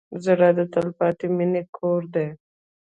زړه د تلپاتې مینې کور دی.